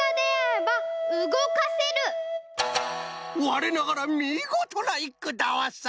われながらみごとないっくだわさ！